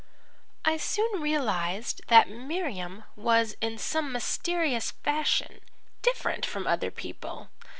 "I soon realized that Miriam was in some mysterious fashion different from other people.